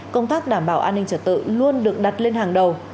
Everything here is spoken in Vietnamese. các đảm bảo an ninh trở tự luôn được đặt lên hàng đầu